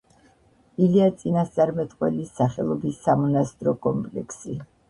ილია წინასწარმეტყველის სახელობის სამონასტრო კომპლექსი.